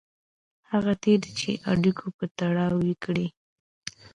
هغه تېري چې اړیکو په تړاو یې کړي.